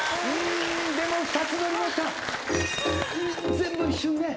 全部一瞬ね。